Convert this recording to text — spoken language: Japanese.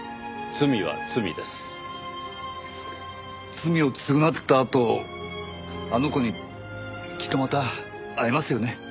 罪を償ったあとあの子にきっとまた会えますよね。